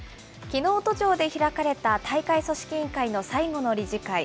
きのう都庁で開かれた大会組織委員会の最後の理事会。